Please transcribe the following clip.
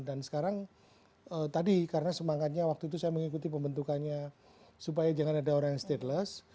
dan sekarang tadi karena semangatnya waktu itu saya mengikuti pembentukannya supaya jangan ada orang yang stateless